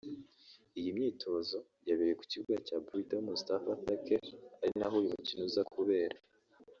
Iyi myitozo yabereye ku kibuga cya Blida Mustapha Thacker ari naho uyu mukino uza kubera